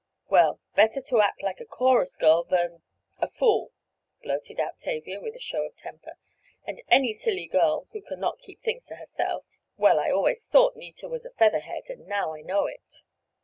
Well, better to act like a chorus girl than—a fool!" blurted out Tavia with a show of temper. "And any silly girl, who can not keep things to herself—well, I always thought Nita was a featherhead and now I know it!"